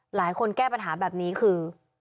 หลายคนแก้ปัญหาแบบนี้คือ